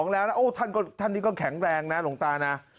แล้วท่านนี้ก็แข็งแรงนะหลวงตานะ